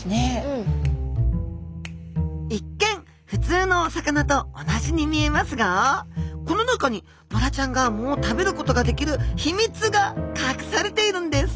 一見普通のお魚と同じに見えますがこの中にボラちゃんが藻を食べることができる秘密が隠されているんです！